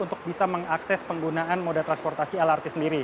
untuk bisa mengakses penggunaan moda transportasi lrt sendiri